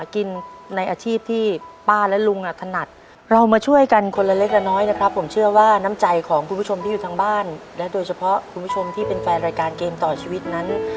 คุณผู้ชมที่อยู่ทั้งบ้านและโดยเฉพาะคุณผู้ชมที่เป็นแฟนรายการเกมต่อชีวิตนั้น